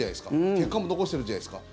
結果も残してるじゃないですか。